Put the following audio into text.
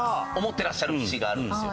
てらっしゃる節があるんですよ。